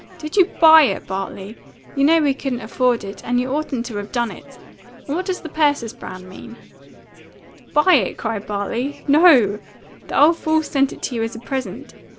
Did you BUY it, Bartley? You know we couldn't afford it, and you oughtn't to have done it! And what does the Persis Brand mean?" "Buy it?" cried Bartley. "No! The old fool's sent it to you as a present.